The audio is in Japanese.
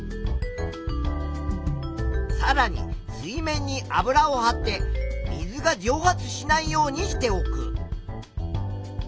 さらに水面に油をはって水がじょう発しないようにしておく。